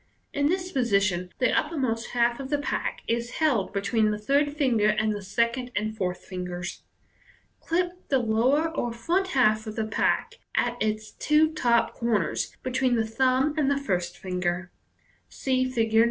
In this position, the uppermost half of the pack is held be tween the third finger and the second and fourth fin gers. Clip the lower or front half of the pack at its two top corners between the thumb and the first finger. (See Fig. 9.)